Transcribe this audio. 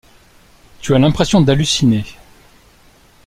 Tu as l’impression d’halluciner.